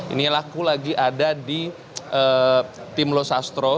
ini laku lagi ada di tim losastro